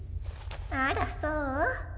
あらそう？